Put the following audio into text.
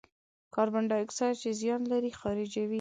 کاربن دای اکساید چې زیان لري، خارجوي.